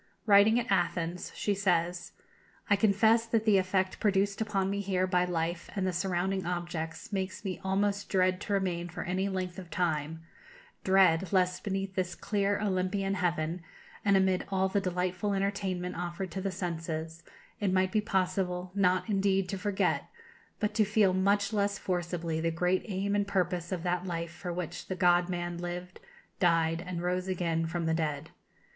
Writing at Athens, she says: "I confess that the effect produced upon me here by life and the surrounding objects makes me almost dread to remain for any length of time; dread, lest beneath this clear Olympian heaven, and amid all the delightful entertainment offered to the senses, it might be possible, not, indeed, to forget, but to feel much less forcibly the great aim and purpose of that life for which the God Man lived, died, and rose again from the dead.